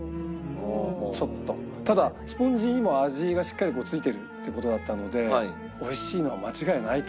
ただスポンジにも味がしっかりついてるって事だったので美味しいのは間違いないと思う。